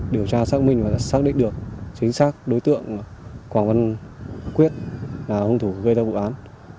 điều tra xác minh và xác định được chính xác đối tượng quảng văn quyết là hung thủ gây ra vụ án